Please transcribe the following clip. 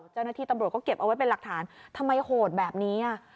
เจ้าหน้าที่ตำรวจก็เก็บเอาไว้เป็นหลักฐานทำไมโหดแบบนี้อ่ะ